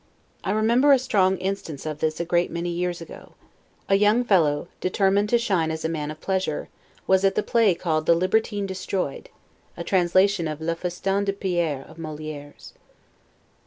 I remember a strong instance of this a great many years ago. A young fellow, determined to shine as a man of pleasure, was at the play called the "Libertine Destroyed," a translation of 'Le Festin de Pierre' of Molieire's.